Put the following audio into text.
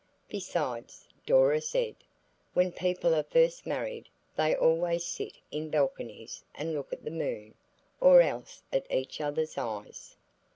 "Besides," Dora said, "when people are first married they always sit in balconies and look at the moon, or else at each other's eyes."